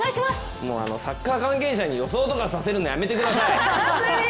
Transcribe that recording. もうサッカー関係者に予想とかさせるのやめてください！